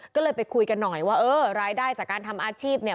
ก็เลยไปคุยกันหน่อยว่าเออรายได้จากการทำอาชีพเนี่ย